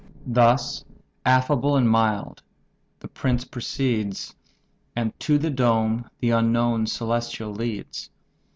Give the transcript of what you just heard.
Thus affable and mild, the prince precedes, And to the dome the unknown celestial leads.